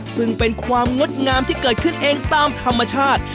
ซึ่งเป็นความงดงามที่เกิดขึ้นเองตามธรรมชาติ